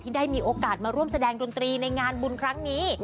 ได้มีโอกาสมาร่วมแสดงดนตรีในงานบุญครั้งนี้